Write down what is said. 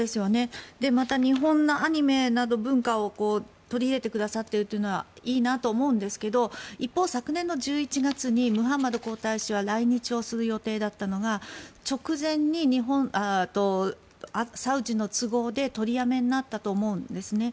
また日本のアニメなどの文化を取り入れてくださっているのはいいなと思うんですけど一方、昨年の１１月にムハンマド皇太子は来日をする予定だったのが直前にサウジの都合で取りやめになったと思うんですね。